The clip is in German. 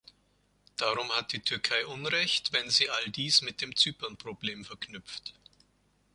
Darum hat die Türkei Unrecht, wenn sie all dies mit dem Zypernproblem verknüpft.